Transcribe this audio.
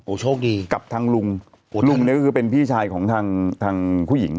โชคดีกับทางลุงลุงเนี่ยก็คือเป็นพี่ชายของทางทางผู้หญิง